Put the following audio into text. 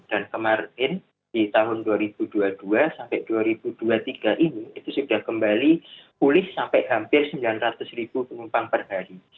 dan kemarin di tahun dua ribu dua puluh dua sampai dua ribu dua puluh tiga ini itu sudah kembali pulih sampai hampir sembilan ratus ribu penumpang per hari